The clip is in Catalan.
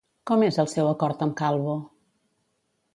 Com és el seu acord amb Calvo?